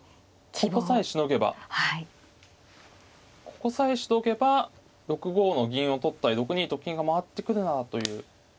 ここさえしのげば６五の銀を取ったり６二と金が回ってくるなあという。